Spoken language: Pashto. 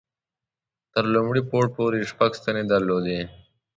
تر لومړي پوړ پورې یې شپږ ستنې درلودې.